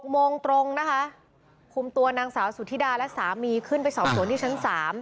โมงตรงนะคะคุมตัวนางสาวสุธิดาและสามีขึ้นไปสอบสวนที่ชั้น๓